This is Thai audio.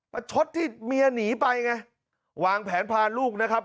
ประชดที่เมียหนีไปไงวางแผนพาลูกนะครับ